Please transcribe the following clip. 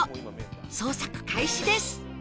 捜索開始です